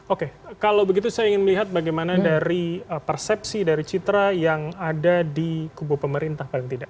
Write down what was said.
oke kalau begitu saya ingin melihat bagaimana dari persepsi dari citra yang ada di kubu pemerintah paling tidak